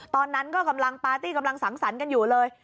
ตอนนั้นก็กำลังปาร์ตี้กำลังสังสรรค์กันอยู่เลย